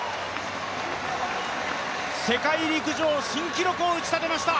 世界陸上新記録を打ちたてました。